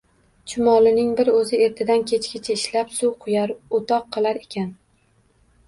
Chumolining bir o’zi ertadan-kechgacha ishlab suv quyar, o’toq qilar ekan